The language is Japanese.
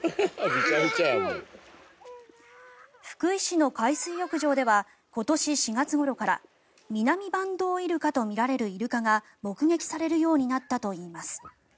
福井市の海水浴場では今年４月ごろからミナミバンドウイルカとみられるイルカが目撃されるようになったといいます。